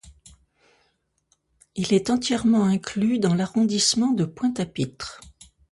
Il est entièrement inclus dans l'arrondissement de Pointe-à-Pitre.